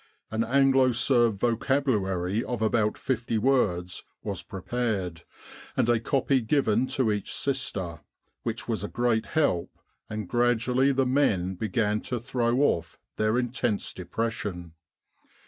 "An Anglo Serb vocabulary of about fifty words was prepared, and a copy given to each Sister, which was a great help, and gradually the men began to throw off their intense depression.